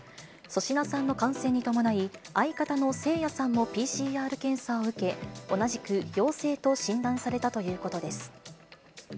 粗品さんの感染に伴い、相方のせいやさんもＰＣＲ検査を受け、同じく陽性と診断されたということです。